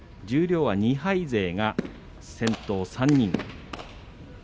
十両は２敗勢が先頭３人です。